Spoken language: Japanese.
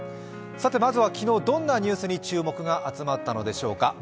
まずは昨日どんなニュースに注目が集まったのでしょうか。